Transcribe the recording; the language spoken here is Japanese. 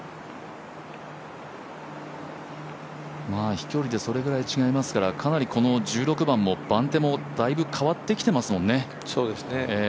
飛距離でそれぐらい違いますから、かなりこの１６番も番手もだいぶ変わってきてますもんね。